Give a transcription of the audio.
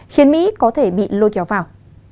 khiến mỹ có thể bị lôi kéo vào